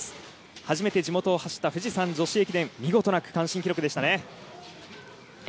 初めて地元を走った富士山女子駅伝見事な区間新記録でしたね。